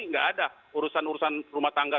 nggak ada urusan urusan rumah tangga